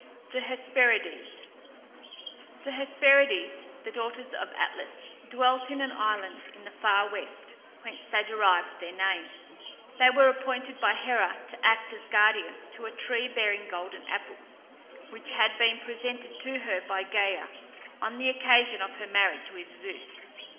THE HESPERIDES. The Hesperides, the daughters of Atlas, dwelt in an island in the far west, whence they derived their name. They were appointed by Hera to act as guardians to a tree bearing golden apples, which had been presented to her by Gæa on the occasion of her marriage with Zeus.